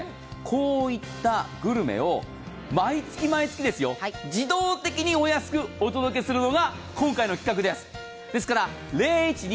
こういったグルメを毎月毎月、自動的にお安くお届けするのが今回の企画です。